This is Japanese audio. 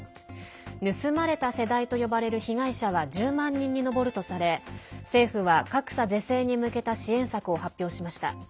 「盗まれた世代」と呼ばれる被害者は１０万人に上るとされ政府は格差是正に向けた支援策を発表しました。